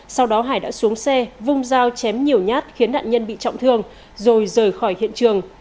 sau đó hải đã xuống xe vung dao chém nhiều nhát khiến nạn nhân bị trọng thương rồi rời khỏi hiện trường